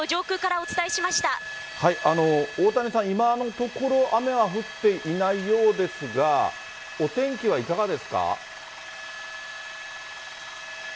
おおたにさん、今のところ、雨は降っていないようですが、お天気はいかがですか。